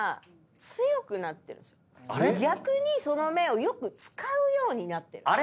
逆にその目をよく使うようになってる。